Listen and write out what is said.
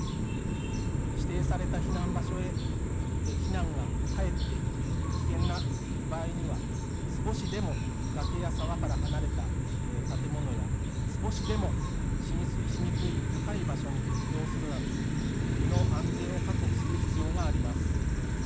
指定された避難場所へ避難がかえって危険な場合には、少しでも崖や沢から離れた建物や少しでも浸水しにくい高い場所に移動するなど、身の安全を確保する必要があります。